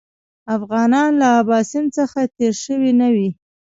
افغانان له اباسین څخه تېر شوي نه وي.